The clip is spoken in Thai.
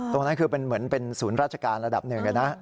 ตรงนั้นคือเป็นเหมือนเป็นศูนย์ราชการระดับหนึ่งนะ